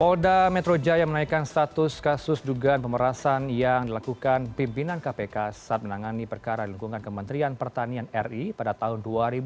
polda metro jaya menaikkan status kasus dugaan pemerasan yang dilakukan pimpinan kpk saat menangani perkara di lingkungan kementerian pertanian ri pada tahun dua ribu